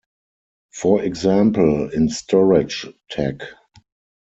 For example, in Storage Tech.